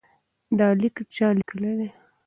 دا لیک چا لیکلی دی؟